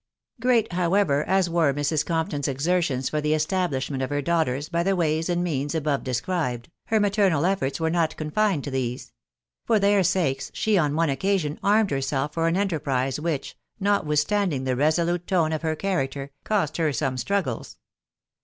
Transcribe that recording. Great, however, as were Mrs. Compton's exertions for the esUbHshment of her daughters by the ways and means above described, her maternal efforts were not confined to these ; for their sakes she on one occasion armed herself for an enterprise which, notwithstanding the resolute tone of her character, cost her some struggles.